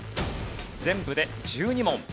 全部で１２問。